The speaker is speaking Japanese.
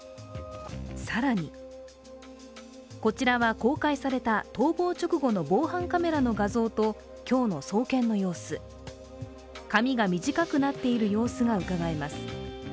更にこちらは、公開された逃亡直後の防犯カメラの画像と今日の送検の様子。髪が短くなっている様子がうかがえます。